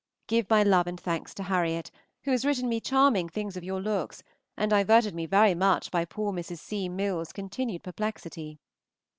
Give my love and thanks to Harriot, who has written me charming things of your looks, and diverted me very much by poor Mrs. C. Milles's continued perplexity.